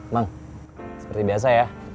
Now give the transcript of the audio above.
bang seperti biasa ya